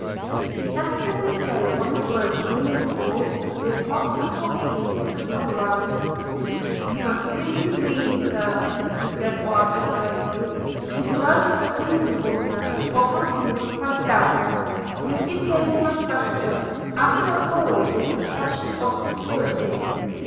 The emphasis laid on the word reasonable did not at all please Mr Somerive – 'You must give me leave, Sir,' said he rather sternly, 'to judge of the reasonableness of my feelings myself: you evade my question, after all your professions of sincerity.